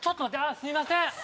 すいません！